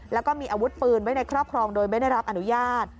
แล้วก็มีอาวุธปืนไว้ในครอบครองโดยไม่ได้รับอนุญาต